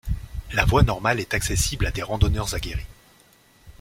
La voie normale est accessible à des randonneurs aguerris.